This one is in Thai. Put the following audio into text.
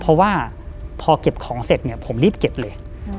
เพราะว่าพอเก็บของเสร็จเนี่ยผมรีบเก็บเลย